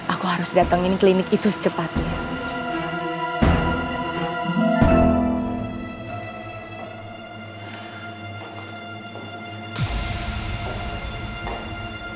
aku harus datengin klinik itu secepatnya